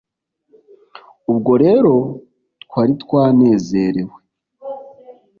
Ubwo rero twari twanezerewe